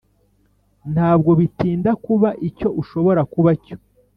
ntabwo bitinda kuba icyo ushobora kuba cyo